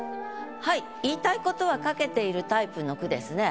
言いたいことは書けているタイプの句ですね。